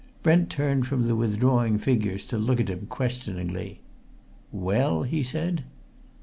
Brent turned from the withdrawing figures to look at him questioningly. "Well?" he said.